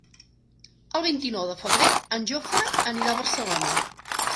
El vint-i-nou de febrer en Jofre anirà a Barcelona.